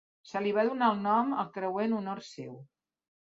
Se li va donar el nom al creuer en honor seu.